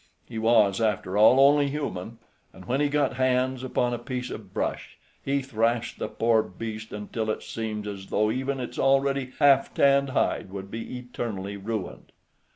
He was, after all, only human, and when he got hands upon a piece of brush he thrashed the poor beast until it seemed as though even its already half tanned hide would be eternally ruined.